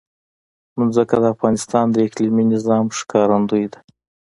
ځمکه د افغانستان د اقلیمي نظام ښکارندوی ده.